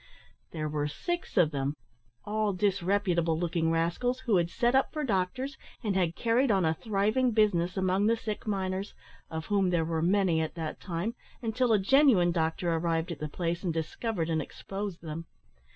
There were six of them, all disreputable looking rascals, who had set up for doctors, and had carried on a thriving business among the sick miners, of whom there were many at that time, until a genuine doctor arrived at the place, and discovered and exposed them.